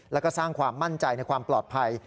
แล้วก็สร้างความมั่นใจในความปลอดภัย